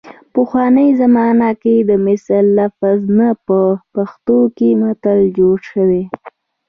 پخوانۍ زمانه کې د مثل لفظ نه په پښتو کې متل جوړ شوی